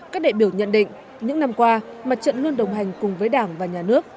các đại biểu nhận định những năm qua mặt trận luôn đồng hành cùng với đảng và nhà nước